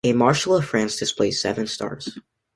A Marshal of France displays seven stars.